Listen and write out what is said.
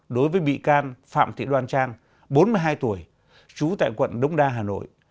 đối với bị can phạm thị đoan trang bốn mươi hai tuổi trú tại quận đông đa hà nội